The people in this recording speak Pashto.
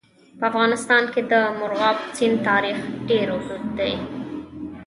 په افغانستان کې د مورغاب سیند تاریخ ډېر اوږد دی.